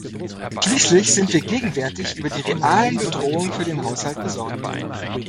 Schließlich sind wir gegenwärtig über die realen Bedrohungen für den Haushalt besorgt.